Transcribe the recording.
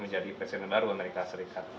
menjadi presiden baru amerika serikat